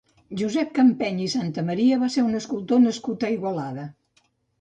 Josep Campeny i Santamaria va ser un escultor nascut a Igualada.